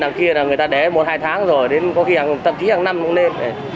đằng kia là người ta để một hai tháng rồi đến có khi hàng tập ký hàng năm cũng lên